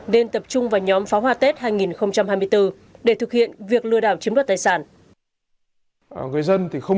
nên tập trung vào nhóm pháo hoa tết hai nghìn hai mươi bốn để thực hiện việc lừa đảo chiếm đoạt tài sản